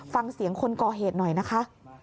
ฟังเสียงคนก่อเหตุหน่อยนะคะ